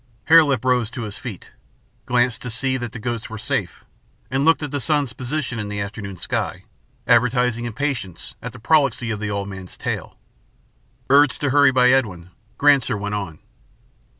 Hare Lip rose to his feet, glanced to see that the goats were safe, and looked at the sun's position in the afternoon sky, advertising impatience at the prolixity of the old man's tale. Urged to hurry by Edwin, Granser went on.